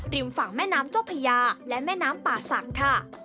ริมฝั่งแม่น้ำจบิยาและแม่น้ำป่าศักดิ์คะ